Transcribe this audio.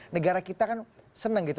negara kita kan seneng gitu